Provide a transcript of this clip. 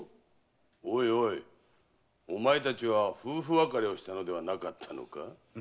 おいおいお前たちは夫婦別れをしたのではなかったのか？